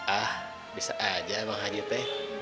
ah bisa aja bang haji be